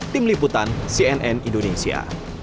tim liputan cnn indonesia